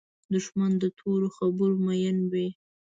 دښمن د تورو خبرو مین وي